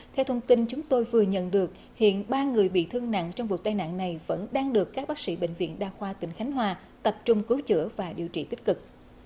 theo thông tin chúng tôi vừa nhận được hiện ba người bị thương nặng trong vụ tai nạn này vẫn đang được các bác sĩ bệnh viện đa khoa tỉnh khánh hòa tập trung cứu chữa và điều trị tích cực